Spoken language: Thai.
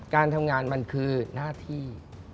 การทำงานมันคือหน้าที่